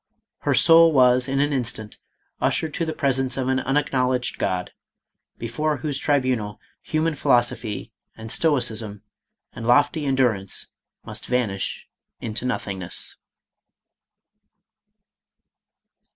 Her soul was in an instant ushered to the presence of an unacknowledged God, before whose tri bunal human philosophy, and stoicism, and lofty endu rance must vanish into nothingness.